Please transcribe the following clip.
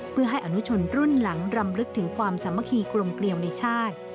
เพื่อให้อนุชนรุ่นหลังรำลึกถึงความสามัคคีกลมเกลียวในชาติ